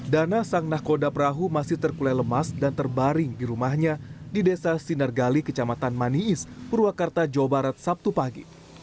dana sang nakoda perahu masih terkulai lemas dan terbaring di rumahnya di desa sinargali kecamatan maniis purwakarta jawa barat sabtu pagi